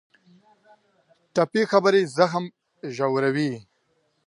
ټپي خبرې زخم ژوروي.